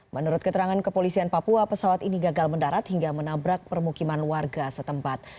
menurut keterangan kepolisian papua pesawat ini gagal mendarat hingga menabrak permukiman warga setempat